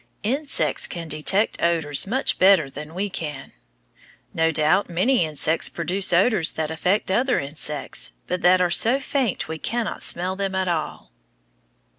Insects can detect odors much better than we can. No doubt many insects produce odors that affect other insects, but that are so faint we cannot smell them at all.